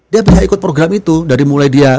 dia bisa ikut program itu dari mulai dia